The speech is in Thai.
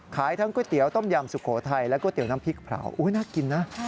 ขายทั้งก๋วยเตี๋ยวต้มยำสุโขทัยและก๋วยเตี๋ยวน้ำพริกผลาวอุ๊ยน่ากินนะ